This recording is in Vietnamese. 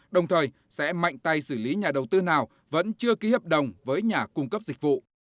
đồng thời sẽ mạnh tay xử lý nhà đầu tư nào vẫn chưa ký hợp đồng với nhà cung cấp dịch vụ